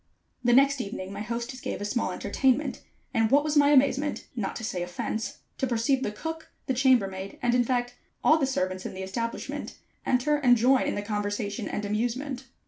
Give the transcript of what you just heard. The next evening, my hostess gave a small entertainment, and what was my amazement, not to say offense, to perceive the cook, the chamber maid, and in fact all the servants in the establishment, enter and join in the conversation and amusement.